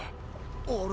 あれ？